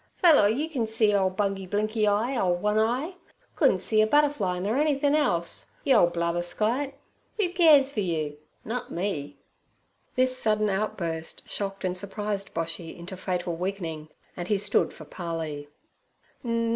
'Fat lot you can see, ole Bungy Blinkey eye, ole one eye! Couldn' see er butterfly nur anythin' else, yur ole blather skyte! 'Oo cares fur you? Nut me!' This sudden outburst shocked and surprised Boshy into fatal weakening, and he stood for parley.